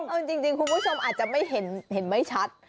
เอาจริงคุณผู้ชมอาจจะไม่เห็นไม่ชัด